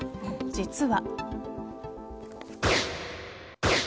実は。